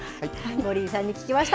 森井さんに聞きました。